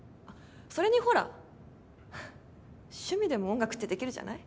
それにほら趣味でも音楽ってできるじゃない？